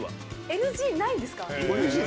ＮＧないですね。